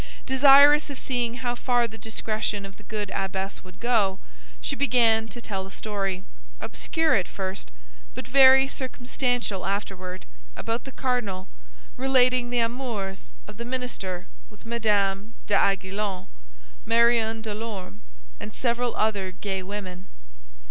Desirous of seeing how far the discretion of the good abbess would go, she began to tell a story, obscure at first, but very circumstantial afterward, about the cardinal, relating the amours of the minister with Mme. d'Aiguillon, Marion de Lorme, and several other gay women.